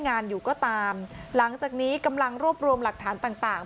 งานอยู่ก็ตามหลังจากนี้กำลังรวบรวมหลักฐานต่างต่าง